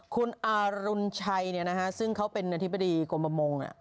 คุณอารุณชัยซึ่งเขาเป็นอธิบดีกรมประมง